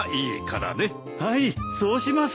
はいそうします。